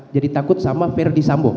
jadi takut sama ferdi sambo